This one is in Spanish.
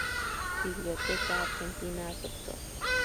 Biblioteca Argentina Dr.